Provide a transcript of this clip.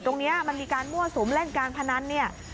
ตรงนี้มันมีการมั่วสุมเล่นการพนันเนี่ย